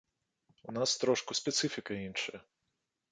У нас трошку спецыфіка іншая.